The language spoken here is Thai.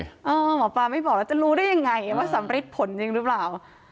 หมอปลาไม่บอกแล้วจะรู้ได้ยังไงว่าสำริดผลจริงหรือเปล่า